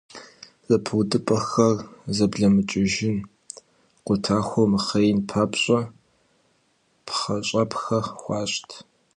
Зэпыудыпӏэхэр зэблэмыкӏыжын, къутахуэр мыхъеин папщӏэ пхъэщӏэпхэ хуащӏт.